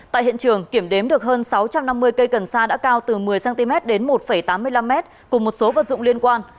tại hiện trường kiểm đếm được hơn sáu trăm năm mươi cây cần sa đã cao từ một mươi cm đến một tám mươi năm m cùng một số vật dụng liên quan